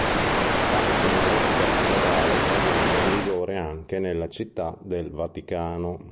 La segnaletica stradale italiana è in vigore anche nella Città del Vaticano.